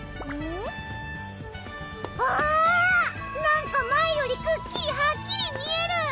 なんか前よりくっきりはっきり見える！